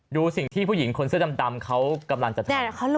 ดูสิ่งที่ผู้หญิงคนเสื้อดำเขากำลังจะทำ